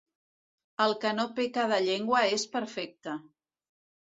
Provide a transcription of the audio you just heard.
El que no peca de llengua és perfecte.